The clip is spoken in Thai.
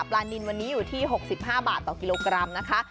ปลานินวันนี้อยู่ที่๖๕บาทต่อกิโลกรัมนะคะ